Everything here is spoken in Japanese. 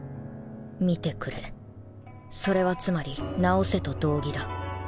「見てくれ」それはつまり「治せ」と同義だ